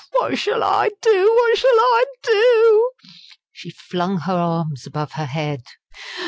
Oh, what shall I do? what shall I do!" she flung her arms above her head.